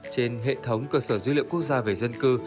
trên hệ thống cơ sở dữ liệu quốc gia về dân cư